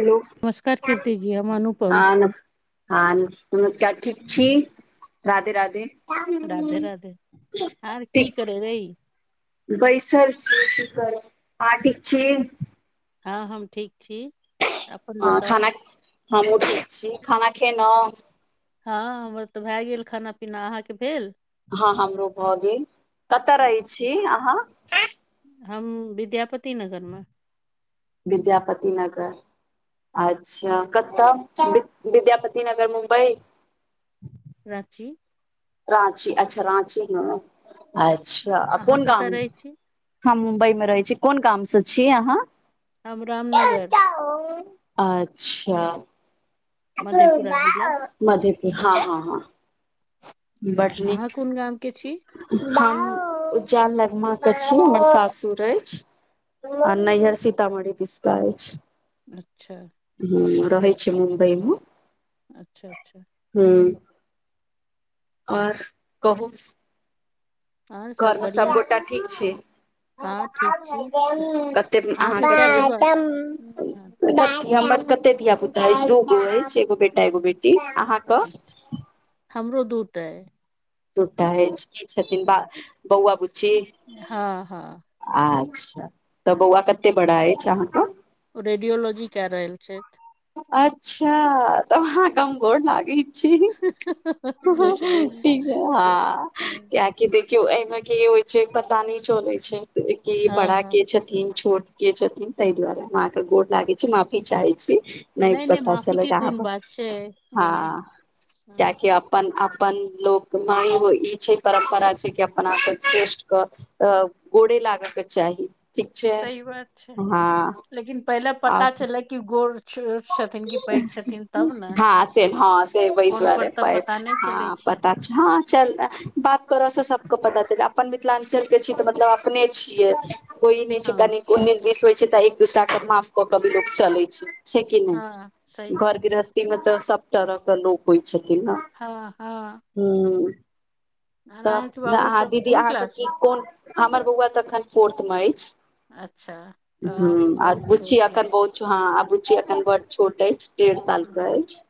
Hello नमस्कार कीर्ति जी हम अनुपम आन आन नमस्कार ठीक छी राधे राधे। राधे राधे आर की ठीक करै रही? बैसल छी की करी आ ठीक छी? हँ हम ठीक छी। अपन आ बताउ खाना हमो ठीक छी खाना खेलौ? हँ हमर तऽ भए गेल खाना पीना अहाँके भेल? हँ हमरो भऽ गेल कतऽ रहै अच्छा छी अहाँ? हम विद्यापति नगर मे। विद्यापति नगर। अच्छा कतऽ विद्यापति नगर मुम्बई? राँची राँची अच्छा राँची अच्छा अहाँ कोन कतऽ गाम? रहै छी हम मुम्बई मे रहै छी कोन काम से छी अहाँ? हम रामनगर अच्छा मधेपुरा जिला मधेप हँ हँ हँ बढ़नीक अहाँ कोन गाम के छी हँ उज्जाल लगमाक के छी हमर सासुर अछि। आ नैहर सीतामढ़ी दिसका अछि। अच्छा हू रहै छी मुमबइमे अच्छा अच्छा हू आओर कहू आर घरमे सब बढ़िया गोटा ठीक छी हँ ठीक छी कते अहाँ अहाँके कएटा बार हमर कते धिय पुता अछि दू गो अछि एगो बेटा एगो बेटी अहाँ अच्छा हमरो दू टाअय दूटा अछि की छथिन ब बौआ बुच्ची हँ हँ अच्छा तऽ बौआ कते बड़ा अछि अहाँके ओ रेडियोलॉजी क रहल छथि अच्छा तऽ अहाँ के हम गोर लागै छी हँ हह ठीक हँ कियाक कि देखियौ एहिमे की होइ छै पता नय चले छै कके हँ बड़ा हँ के छथि छोट के छथिन ताहि दुआरे हम अहाँके गोर लागे छै माफी चाहे छी नहि पता माफी चलय के कहाँ कोन पर बात छै एहिमे हँ हँ कियाकी अपन अपन लोक ई छै परम्परा छै कि अपना कऽ श्रेष्ठ कऽ तब गोड़े लागके चाही ठीक छै सही बात छै हँ लेकिन पहिले पता आओर चले कि गोर छोट छथिन कि पैघ छथिन तब ने हँ से हँ से वहि फोन पर दुआरे तऽ प पता नहि चलै हँ छै पता हँ चल बात करऽसँ सबके पता चल अपन मिथिलाञ्चल के छीिय तऽ मतलब अपने छियै कोई नहि छै हँ कनी उन्स बीस होइ छै तऽ एक दूसरा के माफ कऽ क भी लोको चलै छै छै कि हँ नहि सही घर बात गृरस्थ मे तऽ सब तरह के लोक होइ छथिन ने हँ हँ ह आर अहाँके तऽ बाबू अहाँ सब दीदी कोन अहाँके क्लास की मे कोन हमर बौआ तऽ एखन फोर्थमे अछि अच्छा तऽ अहाँ हँ तऽ आ बहुत बुच्ची छोट य अखन बहुत हँ आ बुच्ची एखन बड् छोट अछि डेढ़ साल के अछि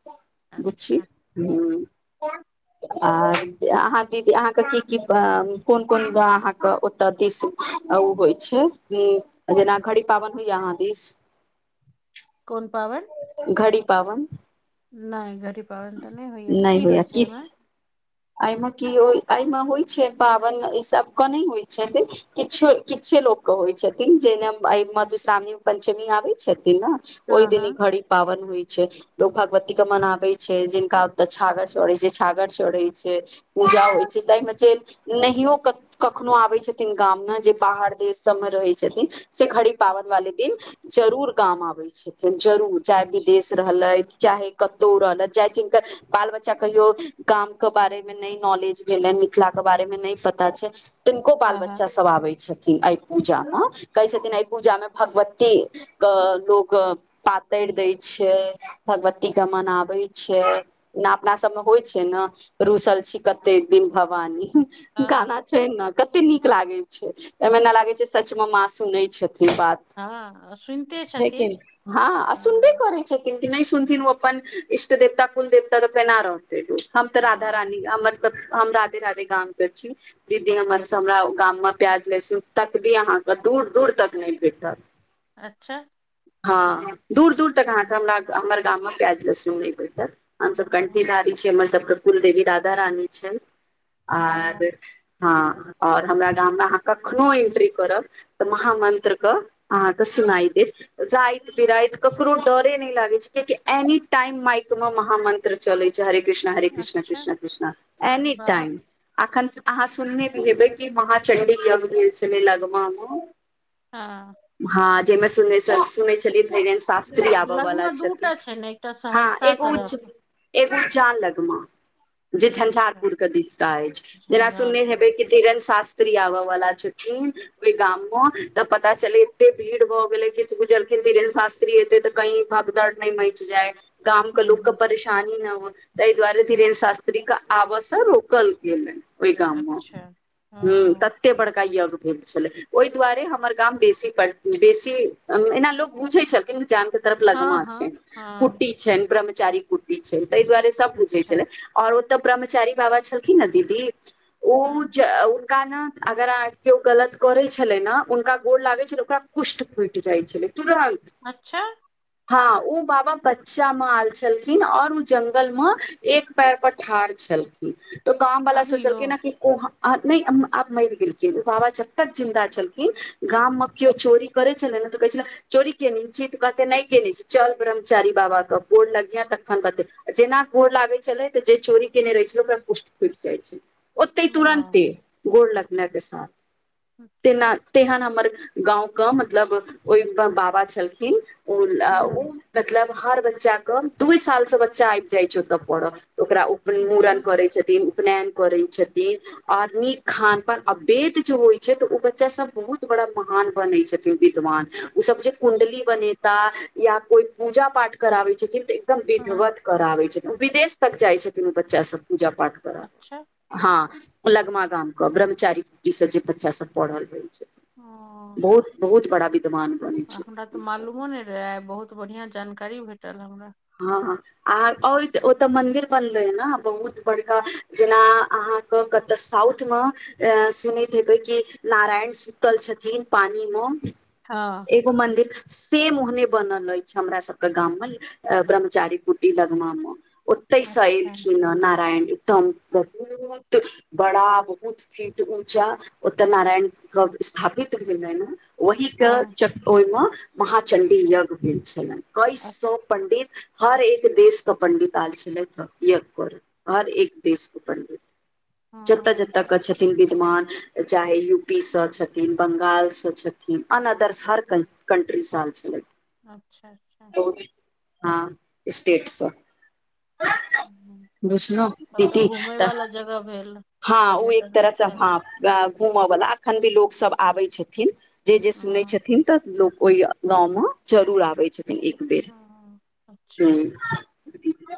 बुच्ची अच्छा हुँ आ अहाँ दीदी अहाँके की की कोन कोन ग अहाँके ओतऽ दिसू ओ होइ छै जेना घड़ी पाबन होइ अहाँ दिस कोन पाबन घड़ी पावन नहि घड़ी पाबनि तऽ नहि होइया की होय छै एहिमे एहिमे की हो एहिमे होइ छै पाबनि ईसभ के नहि होइ छैे किछो किछे लोकके होइ छथिन जेहिमे मधुश्रावणी पंचमी आबै छथिन ने हँ ओहि हँ दनी घड़ी पावन होइ छै लोग भगवती के मनावे छै जिनका ओते छागर चड़े छै छागर चेढे छै पूजा होइ छै एहिमे जे नहियो कखनो आबै छथिन गाममे जे बाहर देश सभमे रहै छथिन से घड़ी पाबन वाले दिन जरूर गाम आबै छथिन जरूर चाहे अच्छा विदेश रहलथि चाहे कतहु रहलथि चाहे जिनकर बाल बच्चा कहियो काम के बारे मे नहि नॉलेज भेलै मिथिला के बारे मे नहि पता छै तनको बाल हँ हँ बच्चा सब आबै छथिन एहि पूजा मे कहै छथिन एहि पूजा मे भगवती क लोकग पातरि दै छै भगवतीक के मनाबै छै अपना सबमे होइ छै ने रूसल छी कते दिन भवानी हँ गाना छै ने कते नीक लागै छै एहिमे न लागे छै सच म माँ सुनै छथिन बात हँ सुनिते छै कि छथिन हँ सुनबे हँ करै छथिन कि नहि सुनथिन अपन इष्ट देवता कुल देवता तऽ केना रहते तू हम तऽ राधा हँ रानी हमर त हम राधे राधे गाम प छी द दिनमर अच्छा हमरा गाम मे प्याज लेस तक भी अहाँके दूर दूर तक नहि भेटल अच्छा हाँ दूर दूर तक अहाँ केँ हमरा हमर गाम मे प्याज लहसुन नहि भेटत हम सभ कंठीधारी छियै हमर सब केँ कुल देवी राधा रानी छै आर ओ हाँ आओर हमरा गाम मे अहाँ कखनो एन्ट्री करब तऽ महामन्त्र क अहाँक सुनाय देत राति बिराति ककरो डरे नहि लागे छै कियाकि एनी टाइम माइक मे महामं त्र चलै छै हरे कृष्ण हरे कृष्ण अच्छा कृष्ण कृष्ण एनी वाह टाइम अखन अहाँ सुनने हेबै कि महाचंडी यज्ञ भेल छलै लगमा मे हँ हाँ जाहिमे सुनै छ सुनै छलियै धीरेन्द्र शास त्री आबऽ वाला लगमे छथि दूटा छै ने एकटा हाँ सहरसा एगो उज तरफ एगो उजान लगमा जे अच्छा झंझारपुर केँ दिश का अछि जेना सुनने झंझारपुर हेबै कि धीरण शास्त्री आबऽ बला छथिन ओहि गाम म तऽ पता चले एते भीड़ भऽ गेलै किछु बुझलखिन धीरेन्द्र शास्त्र त्री एतय कही भागदड़ नहि मच जाय गाम के लोक केँ हूँ परेशानी न होए तै दुआरे धीरेन शास्त्री क आबस रोकल गेल ओहि गाममे अच्छा ह तऽ हँ एते बड़का यज्ञ भेल छलै ओहि दुआरे हमर गाम बेसी प बेसी एना लोको बुझै छल उजान के तरफ हँ लगमा हँ छनि हँ कुटी छनि ब्रह्मचारी कुटी छै ताहि दुआरे सब बुझे अच्छा आओर ओतय ब्रह्मचारी बाबा छलखिन न दीदी ऊ हँ जे उ कान अगर अहाँक केओ गलत करे छले न हुनका गोड़ लागे छलै ओकरा कुष्ट फटि जाइ छलै तुरन्त अच्छा हाँ ऊ बाबा बच्चा मे आयल छलखिन आओर उ जंगल म एक पैर पर ठाढ़ छलखिन तऽ गाँंववाला अभियो सोचलखिन न कि ओ आ नहि आब मरि गेलखिन बाबा जब तक जिन्दा छलखिन गाम मे कियो चोरी करै छै ने तऽ कहै छल चोरी केने छी तऽ कहते नहि केने छी चल ब्रह्मचारी बाबा क गोर लगिहे तखन बतेतो जेना गोर लागे छलै तऽ जे चोरी केने रहै छलै ओकरा पुष्ट फुटि जाइ छै ओतय वाह तुरन्ते गोड़ लगनाय के साथ अच्छा तेना तेहन हमर गाँंवक मतलब ओहि बाबा छलखिन ओ ओ हूँ मतलब हर बच्चा क दूइ साल से बच्चा आइ जाइ छै ओतऽ पढ़ऽ ओकरा उ मूड़न अच्छा करै छथिन उपनयन करै छथिन आर नीक खान पान आ वेद जो होइ छै तऽ ओ बच्चा सब बहुत बड़ा महान बनै छै विदमान ओ सब जे कुंडली बनेता या कोई पूजा पाठ कराबै छथिन तऽ एकदम हँ विधवत कराबै छथिन विदेश तक जाइ छथिन ओ बच्चा सब पूजा पाठ करय अच्छा हाँ लगमा गाम क ब्रह्मचारी कटी से जे बच्चा सब पढ़ल रहै छै ओ बहुत बहुत बड़ा विद्वान बने छै ई सब तै बहुत बढ़िया जानकारी भेटल हमरा ह ह अहाँ आओत ओतऽ मंदिर बनले हन बहुत बड़का जेना अहाँ ह कतय साउथ म ए सुनैत हेबय कि नारायण सुतल छथिन पानी म हँ एगो मंदिर सेम ओहने बनल अछि हमरा सब केँ गाम मे ए ब्रह्मचारी कुटी लगमा मे ओतैय सँ अच्छा एलखिन नारायण [unintelligible] बड़ा बहुत फिट ऊँचा ओतय नारायण गव स्थापित भेलनि ओहि के हँ च ओहिमे महाचंडी यज्ञ भेल छलनि कै अ- सौ पंडित हर एक देश क पंडित आयल छलथि यज्ञ पर हर एक देश केँ पंडित जतय हँ जतय क छ विद्यमान चाहे यू पी सँ छथिन बंगालसँ छथिन अनअदर हर कंट्री कंट्री सँ एल छलथिन अच्छा अच्छा हँ स्टेटस तब तऽ घूमेय वाला जगह भेल हँ ओ एक पर्यटन तरहसँ स्थल हँ घूम वला अखन भी लोक सब आबै छथिन जे जे सुनै हँ छथिन तऽ लोक ओहि गाँव मे जरूर आबे छथिन एक बेर हँ अच्छा ह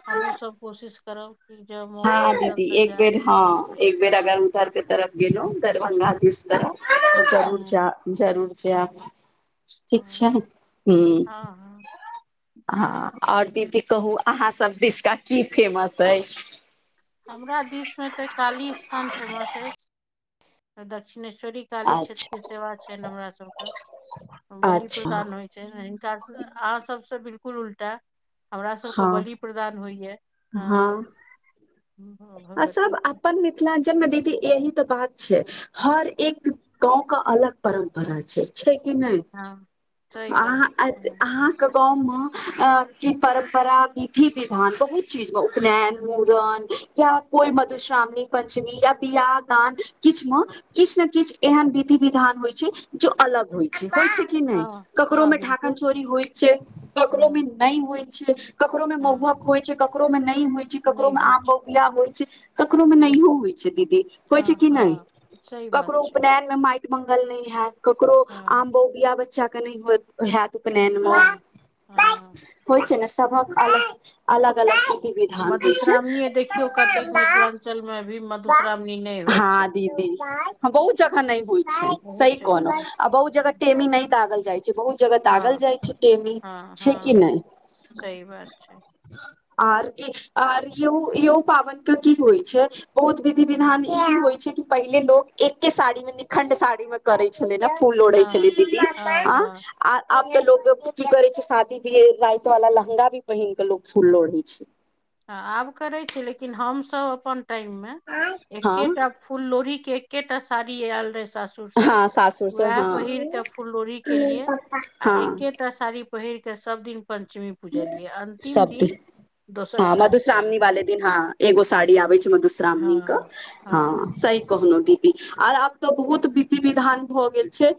हमहुँ सब कोशिश करब कि जब मौका हँ भेटल दादी तऽ एक जाय बेर हँ एक बेर अगर उधरके तरफ गेलो दरभंगा दिस तऽ जरूर जा हँ जरूर छै आब ठीक छै हँ हू हँ ह हँ आओर दीदी कहू अहाँ सब दिशका की फेमस अइछ हमरा दिस मे तऽ काली स्थान फेमस अछि दक्षिणे श्वरी काली क्षेत्र के अच्छा सेवा छनि हमरा सब के बलि अच्छा प्रदान होय छै ने हिनका अहाँ सभसँ बिलकुल उल्टा हमरा सभके हँ बलि प्रदान होइयै हँ आ सब भगवतीके अपन मिथिलांचल मे दीदी यही तऽ बात छै हर एक गाँंव क अलग परम्परा छै छै कि नहि हँ सही बात अहाँ हँ [unintelligible] अहाँ गाँव मे अ कि परम्परा विधि विधान बहुत चीज मे उपनयन मुड़न या कोई मधुश्रावणी पंचमी या बियाह दान किछु मे किछु ने किछु एहन विधि विधान होइ छै जो अलग होइ छै होइ छै कि नहि हँ ककरो मे हँ ढाकन बिल्कुल चोरी होइत छै ककरो मे हँ नहि होइ छै ककरों महुहक हँ होइ छै ककरो में न होइ छै केकरो नहि में होइ आम छै महु होइ छै ककरो मे नहियो होइ छै दीदी होइ हँ छै कि नहि हँ सही बात ककरो छै उपनयन माटि मंगल नहि हैत ककरो हँ आम बो बिया बच्चा के नहि होत वएह उपनयन मे हँ हँ होइ छै ने सभक अग अलग अलग विधि विधान होइ छै क्यो कहतय मिथिलांचल में भी मधुश्रावणी नहि होइ छै हँ दीदी हम बहुत जगह नहि होइ छै बहुत सही जगह कहनउ नहि आ बहुत जगह टेमी नहि दागल जाइ छै बहुत जगह दागल हँ जाइ छै टेमी हँ छै कि हँ नहि सही बात छै आर आर य यहो पाबन की होइ छै बहुत विधि विधान ई होइ छै कि पहिले लोग एके साड़ी मे निखंड साड़ी मे करै छलै ने फूल लोढ़ै हँ छलै दीदी हँ आँ हँ आ आब तऽ लोग की करे छै शादी भी राति वाला लहंगा भी पहिन के लोग फूल लोढ़े छै आब करै छी लेकिन हमसभ अपन टाइम मे हँ एकेटा फुल लोढि के एकेटा साड़ी आयल रहे सासुर सासुर से वएह पहिर के फुल लोरी केलियै आ एके हँ एकेटा साड़ी पहिर के सब दिन पंचमी पूजलियै अंतिम सब दिन दोसर हँ सा मधुश्रावणी वाले दिन हँ एगो साड़ी आबे छै मधुश्रावणी कऽ हँ सही कहनो दी दी आर आब तऽ बहुत विधि विधान भऽ गेल छै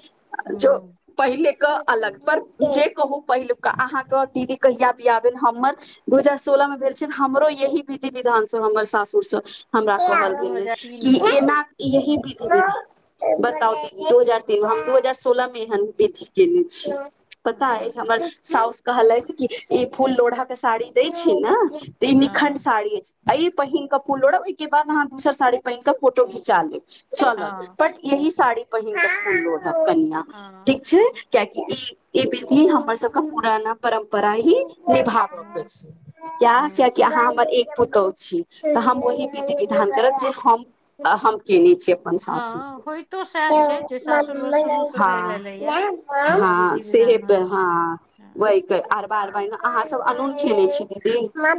जो हूँ पहिलेके अलग पर जे कहू पहिलुका अहाँके दीदी कहिया बियाह भेल हमर दू हजार सोलह मे भेल छै हमरो यही विधि विधान सब हमर सासुर सँ हमरा कहल हमर दू गेल हजार तीन कि मे एना यही विधि विधान बताउ दीदी दू हजार तीन हम दू हजार सोलह मे एहन विधि केने छियै पता अछि हँ हमर साउस कहलथि कि ई फूल लोढ़ाके साड़ी दै छी ने इ निखंड हँ साड़ी अछि एहि पहिनक कऽ फूल लोड़ ओहिके बाद अहाँ दोसर साड़ी पहिनक के फोटो घिचा लेब चलत हँ बट यही साड़ी पहिनके फूल लोढब कनिया हँ ठीक छै कियाकि ई ई विधि हमर सबके पुराना परम्परा ही निभाब के हूँ छै किया कियाकि हूँ अहाँ हम एक पुतोहु छी तऽ हम ओहि विधी विधान करब जे हम हम केने छियै अपन सासु हँ होइतो सएह छै जे सासुर मे शुरू से ह भेल एलैया वएह हँ विधि सेहे विधान पे होइ छै हँ हँ वहि के आर बारबै ना अहाँसब अनून खयने छियै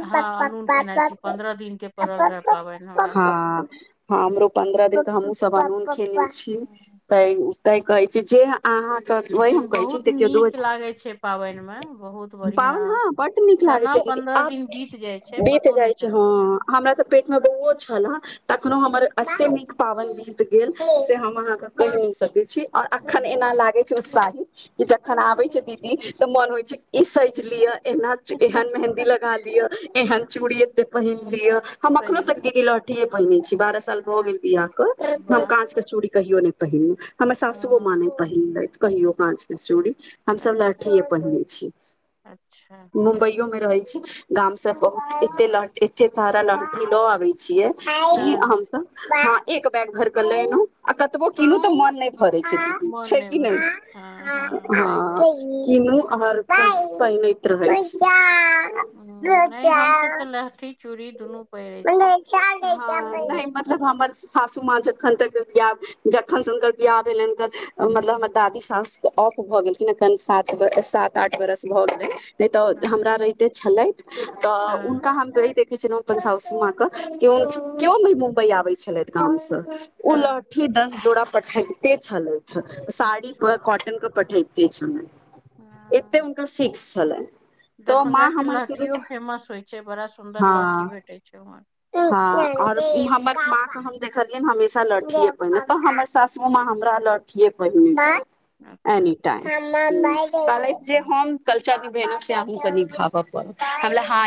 हँ अनून खेनाइ छी पन्द्रह दिन के पड़ल रहे पाबनि हमरा हं सबके हँ हमरो पन्द्रह दिन क हमूँ सब अनून खेयने छी हँ। तै तै कहै छै जे अहाँ तऽ वही लेकिन हम कहै छी बहुत देखियौ नीक लागै छै पाबनि मे बहुत बढ़िया पाबन हँ बड नीक लागै केना छै दीदी पन्द्रह आ दिन बीत जाइ छै बीत पतो नहि जाइ छै चलल हँ हमरा तऽ पेट में बौओ छल तखनो हमर एते नीक पावनि बी त गेल से हम अहाँक कहि नै सकै छी और अखन एना हँ लागै उत्साहि जखन आबे छै दीदी तऽ मन होइ छै ई सोच लिय एनाच एहन मेहंदी लगा लिये एहन चूड़ी एते पहिन लिये हम अखनो सही तक बात दीदी लट लहठिये पहिने छी बारह साल भए गेल अच्छा बियाह क हम वाह काँच के चूड़ी कहियो नहि पहिनलु हमर सासुओ माँ हँ नै पहिनलथि कहियो कांच चुड़ी हमसब अच्छा लहठीये पहिनै छी अच्छा मुम्बइयो मे रहै छी गाम से बहुत एते लहठी एते सारा लहठी ल आबै छिये कि हँ हँ हमसब हँ एक बैग भर क लेएलू आ कतबो कीनु तऽ मोन नहि भरै छै दीदी मोन छै कि नहि भरै छै हँ सही हँ बात छै किनु आ हरदम पहिनैत रहै छी ह नहि हमसभ तऽ लहठी चूड़ी दुनू पहिरै नहि छी हं हमरा नै सबके मतलब हमर सासु माँ जखन तक बियाह जखन से हुनकर बियाह भेलनि हुनकर मतलब हमर दादी सासु ऑफ भऽ गेलखिन अखन सात सात आठ बरस भऽ गेलैन नहि तऽ हँ हमरा रहिते छलथि तऽ हुनका हम छलहुँ अपन सासु मां क केओ केओ नै मुम्बई आबै छलथि गाम स ओ हँ लहठी दस जोड़ा पठेबते छलहूँ साड़ी पुरा अच्छा कॉटन क पठेबते छलहूँ हँ से हुनकर फिक्स छलैन दरभंगाके लहठिओ फेमस होइत छै बड़ा सुन्दर हँ लहठी भेटैत छै उम्हर हँ और उ हमर मां क हम देख देखलियैन हमेशा लहठिए पहिनैत तऽ हमर सासु माँ हमरा लहठिये पहिनैतथि अच्छा एनी टाइम कहलैथि जे हम्म। हम कल्चर निभेलु से आहुं के निभाबऽ परत हम कहलियै हं